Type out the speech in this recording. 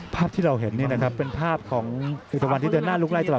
ภาพที่เราเห็นเป็นภาพของเอกวันที่เดินหน้าลุกไล่ตลอด